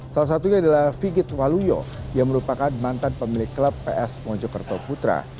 salah satunya adalah figit waluyo yang merupakan mantan pemilik klub ps mojokerto putra